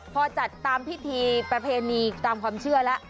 พอจัดตามพิธีประเพณีตามความเชื่อแล้ว